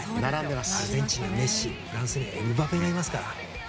アルゼンチンにはメッシフランスにはエムバペがいますから。